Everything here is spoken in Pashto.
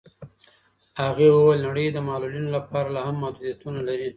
هغې وویل نړۍ د معلولینو لپاره لاهم محدودیتونه لري.